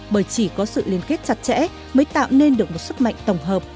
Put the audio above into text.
bởi chỉ có sự liên kết chặt chẽ mới tạo nên được một sức mạnh tổng hợp